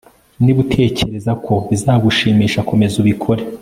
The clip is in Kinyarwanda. Niba utekereza ko bizagushimisha komeza ubikore